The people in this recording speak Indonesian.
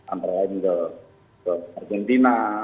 antara lain ke argentina